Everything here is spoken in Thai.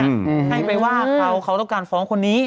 ให้ไปว่าเขาเขาต้องการฟ้องคนนี้